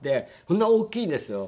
こんな大きいんですよ。